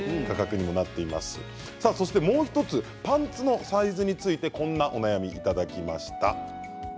そしてもう１つパンツのサイズについてこんなお悩みをいただきました。